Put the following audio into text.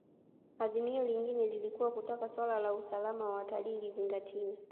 Azimio lingine lilikuwa kutaka suala la usalama wa watalii lizingatiwe